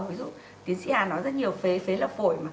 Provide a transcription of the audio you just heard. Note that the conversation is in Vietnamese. ví dụ tiến sĩ hà nói rất nhiều phế là phổi